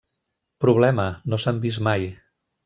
Problema, no s'han vist mai.